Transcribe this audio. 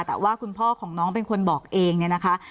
แต่ว่าคุณพ่อของน้องเป็นคนบอกเองเนี่ยนะคะ